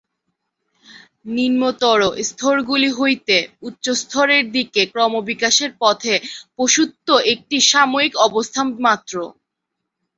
নিম্নতর স্তরগুলি হইতে উচ্চস্তরের দিকে ক্রমবিকাশের পথে পশুত্ব একটি সাময়িক অবস্থা মাত্র।